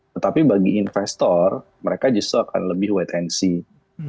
tetapi bagi investor mereka justru akan lebih wait and seed